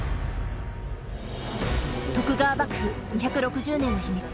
徳川幕府２６０年の秘密。